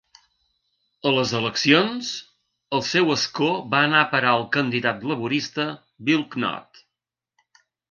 A les eleccions, el seu escó va anar a parar al candidat laborista, Bill Knott.